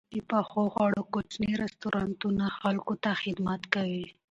د پخو خوړو کوچني رستورانتونه خلکو ته خدمت کوي.